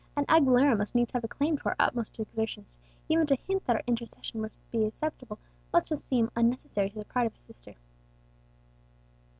"An Aguilera must needs have a claim to our utmost exertions; even to hint that our intercession would be acceptable must seem unnecessary to the pride of his sister."